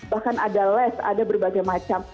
bahkan ada les ada berbagai macam